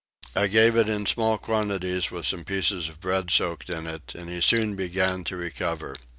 I gave it in very small quantities with some pieces of bread soaked in it; and he soon began to recover.